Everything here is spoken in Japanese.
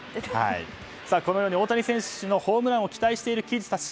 このように大谷選手のホームランを期待しているキッズたち。